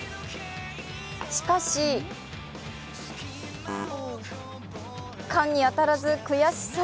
しかし、缶に当たらず悔しそう。